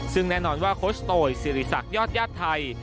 ซึ่งแน่นอนว่าโคชโตยสิริษักยอดญาติไทย